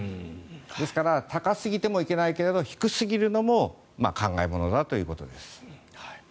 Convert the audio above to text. ですから高すぎてもいけないけど低すぎるのも考えものだということです。